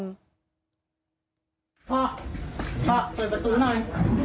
พ่อพ่อเปิดประตูหน่อย